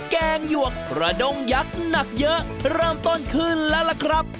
แกงหยวกกระด้งยักษ์หนักเยอะเริ่มต้นขึ้นแล้วล่ะครับ